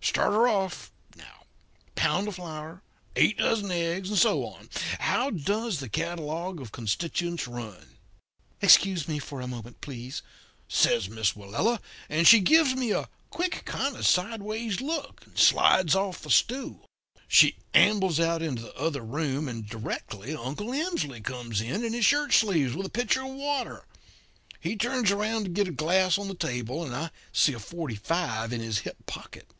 Start her off, now pound of flour, eight dozen eggs, and so on. How does the catalogue of constituents run?' "'Excuse me for a moment, please,' says Miss Willella, and she gives me a quick kind of sideways look, and slides off the stool. She ambled out into the other room, and directly Uncle Emsley comes in in his shirt sleeves, with a pitcher of water. He turns around to get a glass on the table, and I see a forty five in his hip pocket.